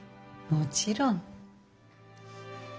もちろん。